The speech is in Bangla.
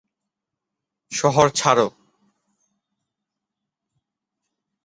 শহর ছাড়ো!